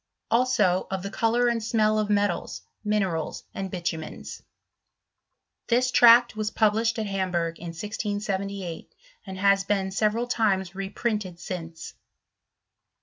also of the colour and smell of metals, minerals, and bitumens.* ^ This tract was published at Hamburg, in 1678, and has been several times reprinted since.